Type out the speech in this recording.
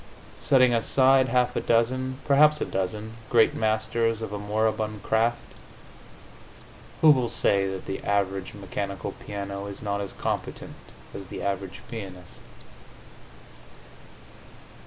Setting aside half a dozen perhaps a dozen great masters of a moribund craft, who will say that the average mechanical piano is not as competent as the average pianist?